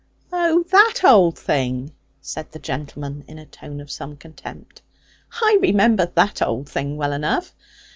'Oh, that old thing!' said the gentleman, in a tone of some contempt; 'I remember that old thing well enough.